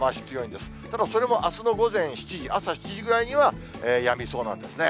ただ、それもあすの午前７時、朝７時ぐらいにはやみそうなんですね。